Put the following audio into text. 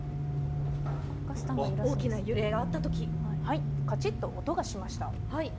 大きな揺れがあったときカチッと音がしました。